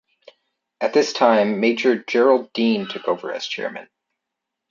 At this time Major Gerald Deane took over as chairman.